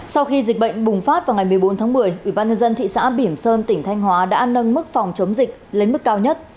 sau khi dịch bệnh bùng phát vào ngày một mươi bốn tháng một mươi ubnd thị xã bỉm sơn tỉnh thanh hóa đã nâng mức phòng chống dịch lên mức cao nhất